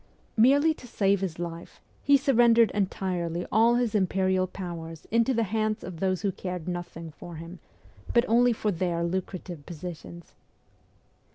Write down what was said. Merely to save his life, he surrendered entirely all his imperial powers into the hands of those who cared nothing for him, but only for their lucrative positions.